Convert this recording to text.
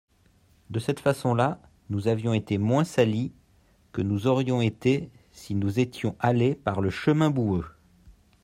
De cette façon-là nous avions été moins salis que nous aurions été si nous étions allés par le chemin boueux.